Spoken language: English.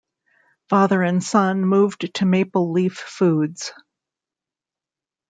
Father and son moved to Maple Leaf Foods.